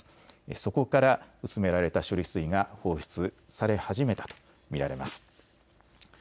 そこから薄められた処理水が放出され始めたと見られます。